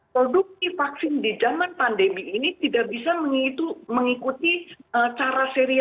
produksi vaksin di zaman pandemi ini tidak bisa mengikuti cara serial